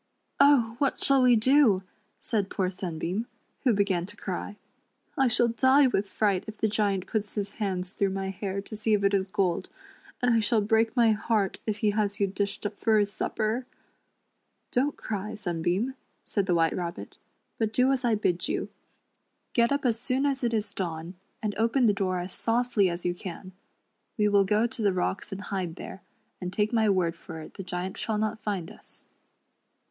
" Oh, what shall we do !" said poor Sunbeam, who began to cry. " I shall die witli fright if the Giant puts his hands through my hair to see if it is gold, and I shall break my heart if he has you dished up for his supper." " Don't cr}', Sunbeam," said the White Rabbit, "but do as I bid } ou. Get up as soon as it is dawn, and open the door as softly as you can. We will go to •the rocks and hide there, and take my word for it the Giant shall not find us."